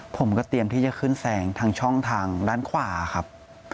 ผมก็เตรียมที่จะขึ้นแซงทางช่องทางด้านขวาครับ